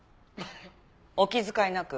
お気遣いなく。